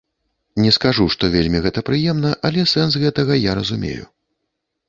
Не скажу, што вельмі гэта прыемна, але сэнс гэтага я разумею.